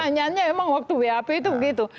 pertanyaannya memang waktu wap itu begitu